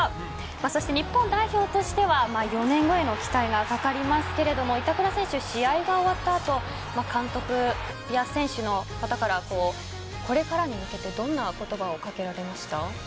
そして日本代表としては４年後への期待がかかりますけど板倉選手、試合が終わったあと監督や選手の方からこれからに向けてどんな言葉をかけられました？